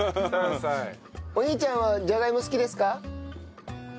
お兄ちゃんはじゃがいも好きですか？